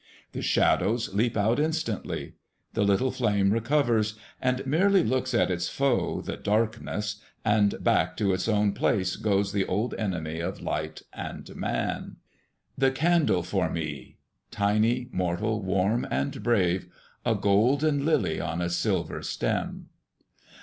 The shadows leap out instantly. The little flame recovers, and merely looks at its foe the darkness, and back to its own place goes the old enemy of light and man. The candle for me, tiny, mortal, warm, and brave, a golden lily on a silver stem!